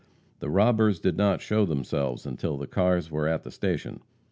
The robbers did not show themselves until the cars were at the station.